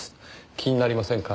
気になりませんか？